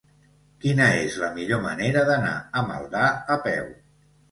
Quina és la millor manera d'anar a Maldà a peu?